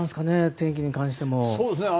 天気に関しても。